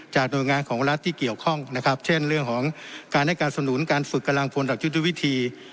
จากโรงงานของรัฐที่เกี่ยวข้องเช่นเรื่องของการให้การสนุนการฝึกกำลังพลลักษณ์จุดทุกวิธี